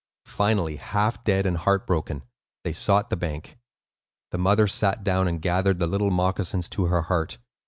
Finally, half dead, and heart broken, they sought the bank. The mother sat down and gathered the little moccasins to her heart.